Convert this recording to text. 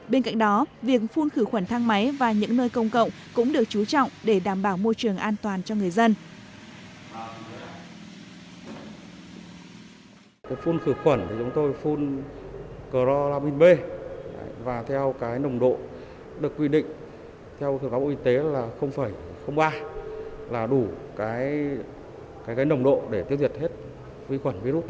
bên cạnh đó việc phun khử khuẩn thang máy và những nơi công cộng cũng được chú trọng để đảm bảo môi trường an toàn